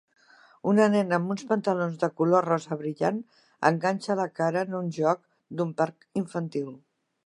Una nena amb uns pantalons de color rosa brillant enganxa la cara en un joc d'un parc infantil.